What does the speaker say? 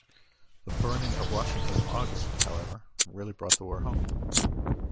The burning of Washington, in August, however, really brought the war home.